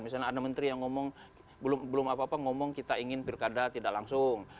misalnya ada menteri yang ngomong belum apa apa ngomong kita ingin pilkada tidak langsung